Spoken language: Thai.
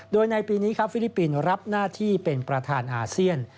โดยในปีนี้ครับฟิลิปปินส์รับหน้าที่เป็นประธานอาเซียน